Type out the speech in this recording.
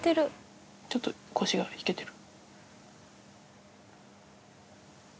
ちょっと腰が引けてる。